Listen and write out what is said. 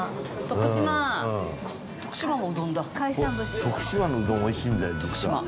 徳島のうどんおいしいんだよ実は。